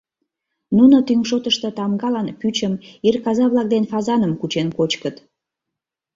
Нуно тӱҥ шотышто тамгалан пӱчым, ир каза-влак ден фазаным кучен кочкыт.